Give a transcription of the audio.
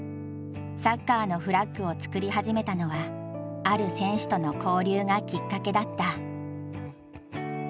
サッカーのフラッグを作り始めたのはある選手との交流がきっかけだった。